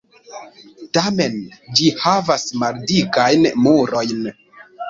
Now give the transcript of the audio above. Tamen ĝi havas maldikajn murojn.